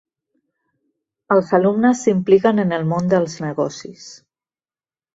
Els alumnes s'impliquen en el món dels negocis.